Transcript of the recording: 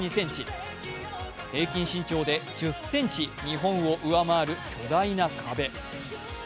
平均身長で１０ｃｍ日本を上回る巨大な壁。